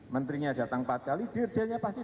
mennt tras datang empat kali dirjennya sulit arabic